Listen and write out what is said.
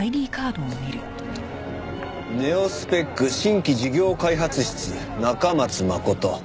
「ネオスペック新規事業開発室中松誠」